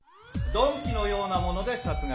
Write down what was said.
鈍器のような物で殺害。